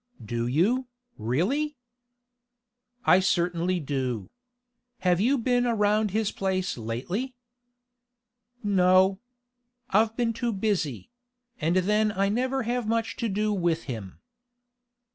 "Do you, really?" "I certainly do. Have you been around his place lately?" "No. I've been too busy; and then I never have much to do with him."